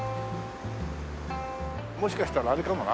もしかしたらあれかもな。